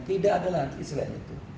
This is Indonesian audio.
tidak ada lagi istilahnya itu